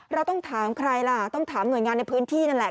เราต้องถามใครล่ะต้องถามหน่วยงานในพื้นที่นั่นแหละ